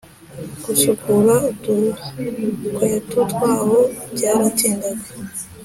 gusukura udukweto twabo byaratindaga